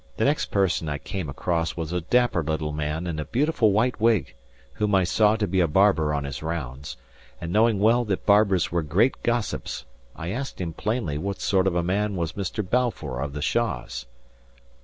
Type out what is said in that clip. The next person I came across was a dapper little man in a beautiful white wig, whom I saw to be a barber on his rounds; and knowing well that barbers were great gossips, I asked him plainly what sort of a man was Mr. Balfour of the Shaws.